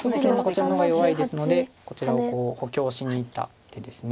こちらの方が弱いですのでこちらを補強しにいった手です。